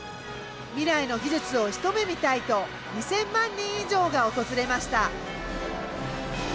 未来の技術を一目見たいと２，０００万人以上が訪れました。